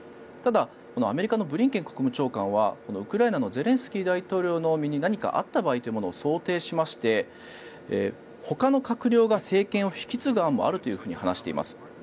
ただアメリカのブリンケン国務長官はウクライナのゼレンスキー大統領の身に何かあった場合というのを想定しましてほかの閣僚が政権を引き継ぐ案もあると話しています。